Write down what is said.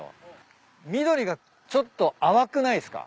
緑がちょっと淡くないっすか？